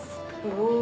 お。